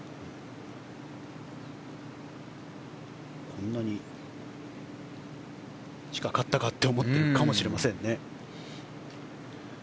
こんなに近かったかって思ってるかもしれませんね。